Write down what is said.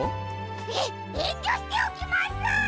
ええんりょしておきます！